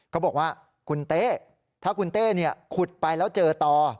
เขาบอกว่าคุณเต้ถ้าคุณเต้ขุดไปแล้วเจอต่อ